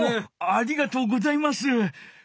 ありがとうございます。